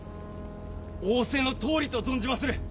仰せのとおりと存じまする！